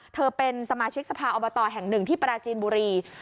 เธอเป็นสมาชิกสภาอบตแห่งหนึ่งที่ปราจีนบุรี